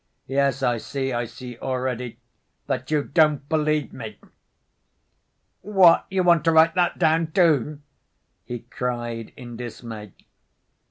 Yes, I see, I see already that you don't believe me. What, you want to write that down, too?" he cried in dismay.